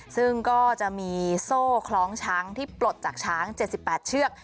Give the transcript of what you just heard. ซึ่งก็จะมีโซ่คล้องช้างที่ปลดจากช้าง๗๘เชือก